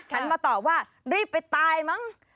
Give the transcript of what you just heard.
มาตอบว่ารีบไปตายมั้ง